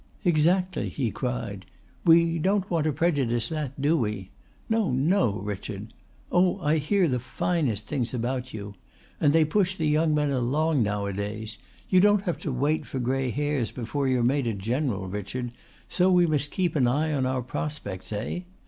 "Exactly," he cried. "We don't want to prejudice that do we? No, no, Richard! Oh, I hear the finest things about you. And they push the young men along nowadays. You don't have to wait for grey hairs before you're made a General, Richard, so we must keep an eye on our prospects, eh?